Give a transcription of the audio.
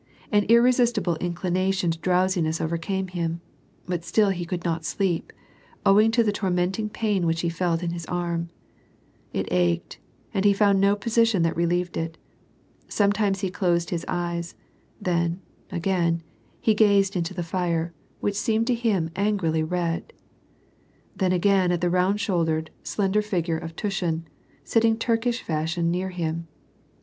An irresistible inclination to drow^siness overcame him, but still he could not sleep, owing to the tormenting pain which he felt in his arm ; it ached, and he found no position that relieved it Sometimes he closed his eyes, then, again, he gazed into the fire, which seemed to him angrily red ; then again at the round shouldered, slender figure of Tushin, sitting Turkish fashion near him.